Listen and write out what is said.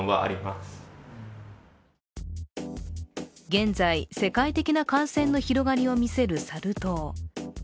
現在、世界的な感染の広がりを見せるサル痘。